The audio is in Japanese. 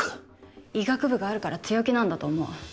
医学部があるから強気なんだと思う